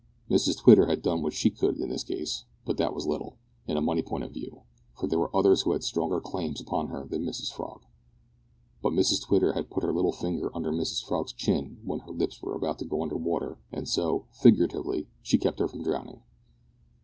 Mrs Twitter had done what she could in this case, but that was little, in a money point of view, for there were others who had stronger claims upon her than Mrs Frog. But Mrs Twitter had put her little finger under Mrs Frog's chin when her lips were about to go under water, and so, figuratively, she kept her from drowning.